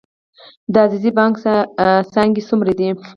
د عزیزي بانک څانګې څومره دي؟